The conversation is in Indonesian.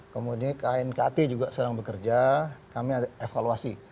kemudian knkt juga sedang bekerja kami evaluasi